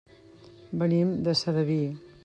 Venim de Sedaví.